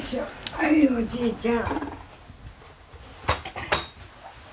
はいおじいちゃん。